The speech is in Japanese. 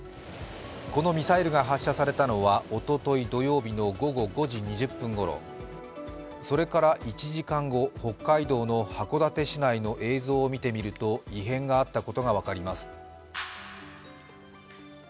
このミサイルが発射されたのはおととい土曜日の午後５時２０分ごろそれから１時間後、北海道の函館市内の映像を見てみると異変があったことが分かります。